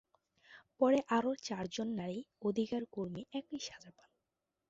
পরে আরও চার জন নারী অধিকার কর্মী একই সাজা পান।